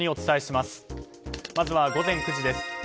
まずは午前９時です。